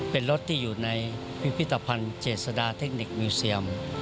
เป็นรถที่อยู่ในพิพิธภัณฑ์เจษฎาเทคนิคมิวเซียม